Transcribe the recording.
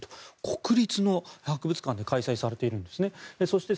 国立の博物館で開催されているんですね。